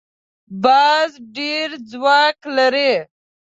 باز ډېر ځواک لري